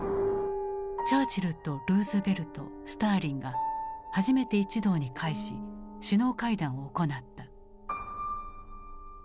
チャーチルとルーズベルトスターリンが初めて一堂に会し首脳会談を行った。